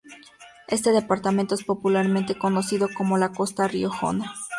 Este departamento es popularmente conocido como ""la costa riojana"".